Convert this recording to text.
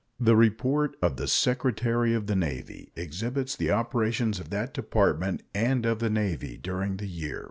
The report of the Secretary of the Navy exhibits the operations of that Department and of the Navy during the year.